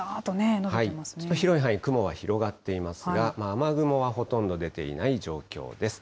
ちょっと広い範囲、雲が広がっていますが、雨雲はほとんど出ていない状況です。